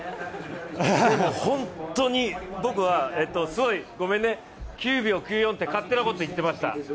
でも、本当に僕は、すごい、ごめんね９秒９４って勝手なこと言ってました。